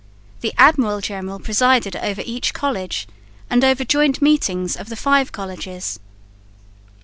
The Admiral General presided over each College and over joint meetings of the five Colleges.